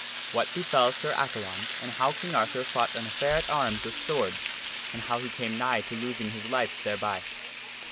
What Befell Sir Accalon, and How King Arthur Fought an Affair at Arms With Swords, and How He Came Nigh to Losing His Life Thereby.